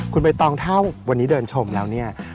คุณใบตองถ้าวันนี้เดินชมแล้วเนี่ย